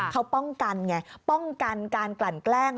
เขาป้องกันไงป้องกันการกลั่นแกล้ง